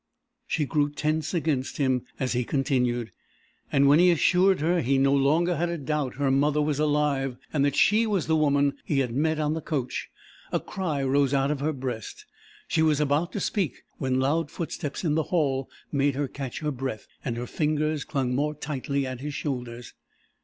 She grew tense against him as he continued, and when he assured her he no longer had a doubt her mother was alive, and that she was the woman he had met on the coach, a cry rose out of her breast. She was about to speak when loud footsteps in the hall made her catch her breath, and her fingers clung more tightly at his shoulders.